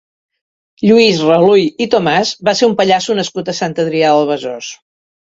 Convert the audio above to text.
Lluís Raluy i Tomàs va ser un pallasso nascut a Sant Adrià de Besòs.